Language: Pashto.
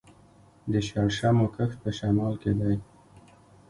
د شړشمو کښت په شمال کې دی.